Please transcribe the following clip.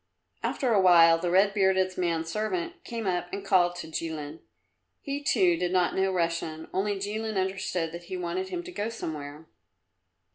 After a while the red bearded man's servant came up and called to Jilin. He too, did not know Russian, only Jilin understood that he wanted him to go somewhere.